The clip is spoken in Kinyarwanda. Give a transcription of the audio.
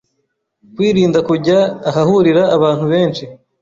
kwirinda kujya ahahurira abantu benshi,